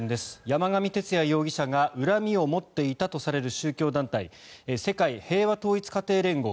山上徹也容疑者が恨みを持っていたとされる宗教団体世界平和統一家庭連合